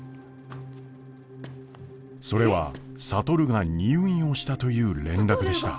それは智が入院をしたという連絡でした。